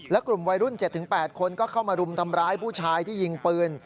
และกลุ่มวัยรุ่น๗๘คนก็เข้ามารุมทำร้ายผู้ชายที่ยิงปืน